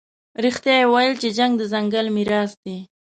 رښتیا یې ویلي چې جنګ د ځنګل میراث دی.